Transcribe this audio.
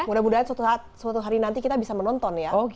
mudah mudahan suatu hari nanti kita bisa menonton ya